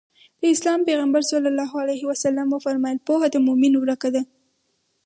د اسلام پيغمبر ص وفرمايل پوهه د مؤمن ورکه ده.